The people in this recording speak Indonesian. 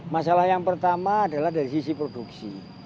masalah yang pertama adalah dari sisi produksi